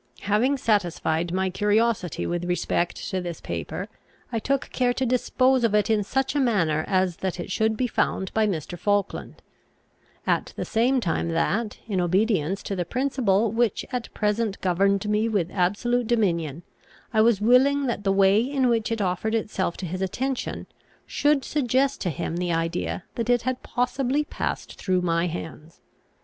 Having satisfied my curiosity with respect to this paper, I took care to dispose of it in such a manner as that it should be found by Mr. Falkland; at the same time that, in obedience to the principle which at present governed me with absolute dominion, I was willing that the way in which it offered itself to his attention should suggest to him the idea that it had possibly passed through my hands.